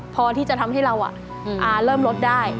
พอที่จะทำให้เราเริ่มลดได้